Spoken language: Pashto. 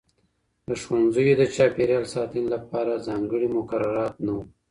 د ښوونځیو د چاپېریال ساتنې لپاره ځانګړي مقررات نه وو.